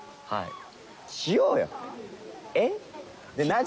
はい。